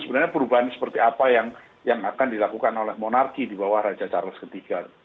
sebenarnya perubahan seperti apa yang akan dilakukan oleh monarki di bawah raja charles iii